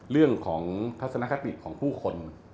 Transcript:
เรื่องของทัศนคติของผู้คน